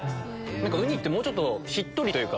ウニってもうちょっとしっとりというか。